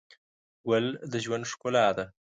ګل د ژوند ښکلا ده.